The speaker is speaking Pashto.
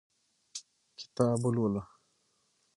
کتاب ولوله